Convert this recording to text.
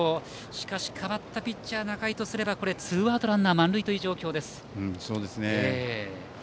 しかし、代わったピッチャー仲井とすればツーアウト、ランナー満塁という状況です。